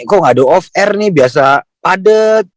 kok gak ada off air nih biasa padet